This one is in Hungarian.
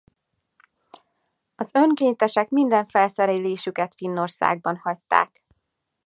Az önkéntesek minden felszerelésüket Finnországban hagyták.